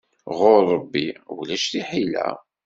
Ɣur Ṛebbi ulac tiḥila.